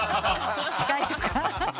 司会とか？